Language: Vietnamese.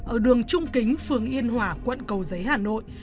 ở đường trung kính phường yên hòa quận cầu giấy hà nội